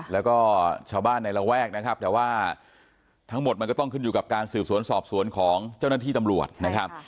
แล้วก็ชาวบ้านในระแวกนะครับแต่ว่าทั้งหมดมันก็ต้องขึ้นอยู่กับการสืบสวนสอบสวนของเจ้าหน้าที่ตำรวจนะครับ